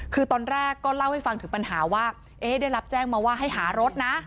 คือตอนแรกก็เล่าให้ฟังถึงปัญหาว่าได้รับแจ้งมาว่าให้หารถนะ